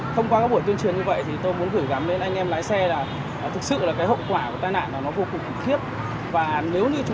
thông qua các buổi tuyên truyền như vậy thì tôi muốn gửi gắm đến anh em lái xe là thực sự là cái hậu quả của tai nạn nó vô cùng cực thiếp